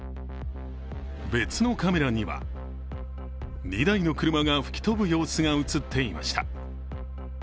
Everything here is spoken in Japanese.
別のカメラには、２台の車が吹き飛ぶ様子が映っていました。